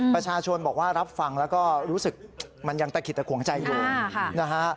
ประชาชนบอกว่ารับฟังแล้วก็รู้สึกมันยังตะขิดตะขวงใจอยู่นะฮะ